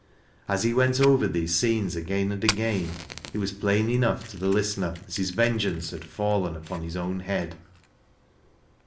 As he went over these scenes again and agai]i, it was plain enough to the listener that his ven l^cance had fallen upon his own head.